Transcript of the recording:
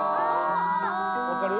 分かる？